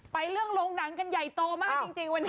เรื่องโรงหนังกันใหญ่โตมากจริงวันนี้